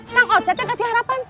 kang ocat yang kasih harapan